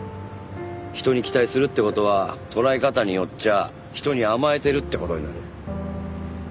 人に期待するって事は捉え方によっちゃ人に甘えてるって事になる。